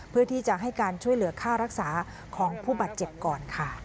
เพื่อที่จะให้การช่วยเหลือค่ารักษาของผู้บาดเจ็บก่อนค่ะ